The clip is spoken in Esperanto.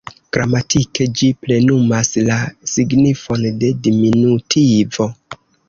Gramatike ĝi plenumas la signifon de diminutivo.